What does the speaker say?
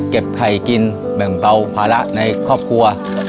ไข่กินแบ่งเบาภาระในครอบครัว